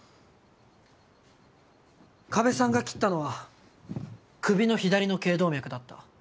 加部さんが切ったのは首の左の頸動脈だった。